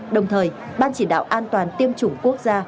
đồng thời ban chỉ đạo an toàn tiêm chủng quốc gia